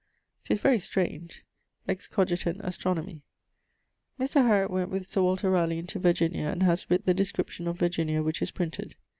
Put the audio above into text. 'Tis very strange: excogitent astronomi. Mr. Hariot went with Sir Walter Ralegh into Virginia, and haz writt the Description of Virginia, which is printed.